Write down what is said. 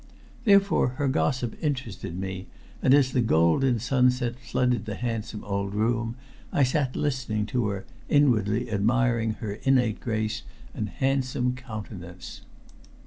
Therefore her gossip interested me, and as the golden sunset flooded the handsome old room I sat listening to her, inwardly admiring her innate grace and handsome countenance.